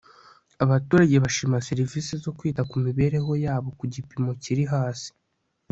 abaturage bashima serivisi zo kwita ku mibereho yabo ku gipimo kiri hasi